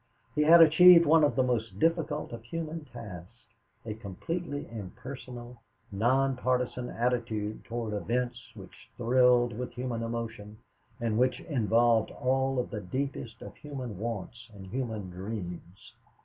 He had achieved one of the most difficult of human tasks a completely impersonal, non partisan attitude toward events which thrilled with human emotion and which involved all of the deepest of human wants and human dreams.